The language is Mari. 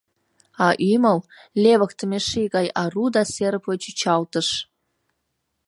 А ӱмыл — левыктыме ший гай Ару да серыпле чӱчалтыш.